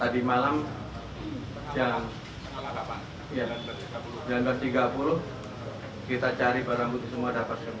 dan tiga perempuan menjadi keping